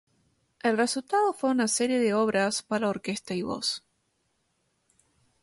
El resultado fue una serie de obras para orquesta y voz.